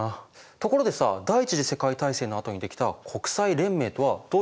ところで第一次世界大戦のあとにできた国際連盟とはどういった違いがあるの？